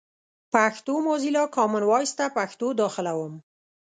پښتو موزیلا، کامن وایس ته پښتو داخلوم.